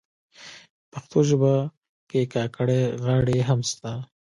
پښتو ژبه کي کاکړۍ غاړي هم سته.